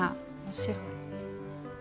面白い。